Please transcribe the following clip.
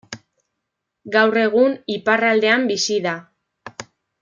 Gaur egun iparraldean bizi da.